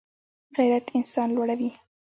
غیرت انسان لوړوي